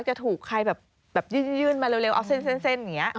จะถูกใครแบบยื่นมาเร็วเอาเส้นอย่างนี้